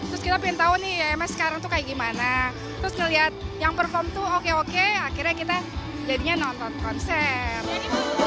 terus kita pengen tahu nih ims sekarang tuh kayak gimana terus ngeliat yang perform tuh oke oke akhirnya kita jadinya nonton konser